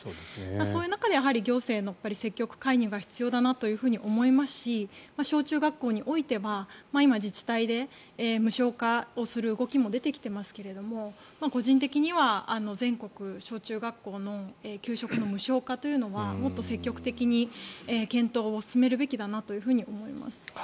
そういう中で行政の積極介入が必要だなと思いますし小中学校においては今、自治体で無償化をする動きも出てきていますけれど個人的には、全国小中学校の給食の無償化というのはもっと積極的に検討を進めるべきだなと思います。